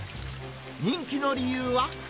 人気の理由は。